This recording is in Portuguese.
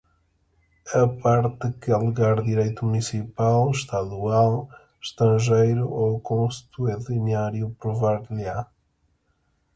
A parte que alegar direito municipal, estadual, estrangeiro ou consuetudinário provar-lhe-á